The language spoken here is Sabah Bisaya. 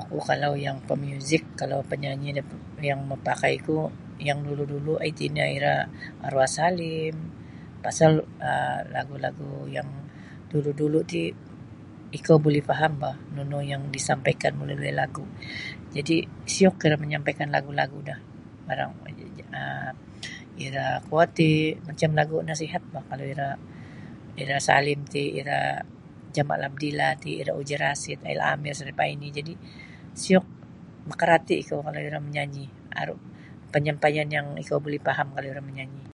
Oku kalau yang pamuzik kalau panyanyi yang mapakaiku yang dulu-dulu' iti nio iro arwah Salim pasal um lagu-lagu' yang dulu-dulu ti ikou buli faham boh nunu yang disampaikan melalui lagu jadi' siyuk iro manyampaikan lagu-lagu' do [unintelligible] um iro kuo ti macam lagu nasihat boh kalau iro Salim ti iro Jamal Abdilah ti , iro Uji Rashid, Hail Amir, Sharifah Aini jadi' siyuk makarati' ikou kalau iro manyanyi aru panyampaian yang ikou buli faham kalau iro manyanyi.